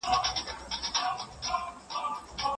نور مي پر تنه باندي یادګار نومونه مه لیکه